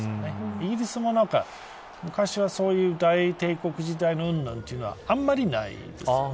イギリスも昔はそういう大帝国時代のうんぬんはあんまりないですね。